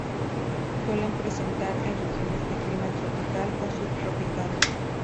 Suele presentar en regiones de clima tropical o subtropical.